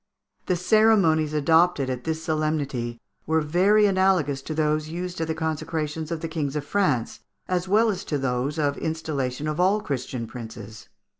The ceremonies adopted at this solemnity were very analogous to those used at the consecrations of the kings of France, as well as to those of installation of all Christian princes.